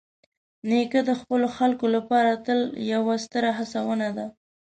نیکه د خپلو خلکو لپاره تل یوه ستره هڅونه ده.